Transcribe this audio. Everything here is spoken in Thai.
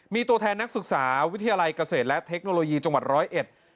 มีตัวแทนนักศึกษาวิทยาลัยเกษตรและเทคโนโลยีจังหวัดร้อยเอ็ด